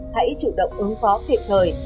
hãy chủ động ứng khó kịp thời